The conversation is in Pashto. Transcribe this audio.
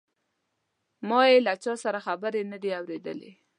ما یې له چا سره خبرې نه دي اوریدلې.